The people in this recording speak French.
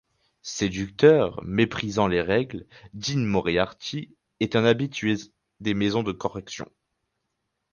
Séducteur, méprisant les règles, Dean Moriarty est un habitué des maisons de correction.